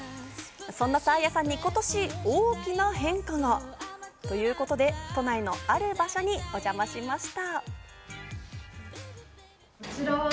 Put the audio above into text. そんなサーヤさんに今年大きな変化が。ということで都内のある場所にお邪魔しました。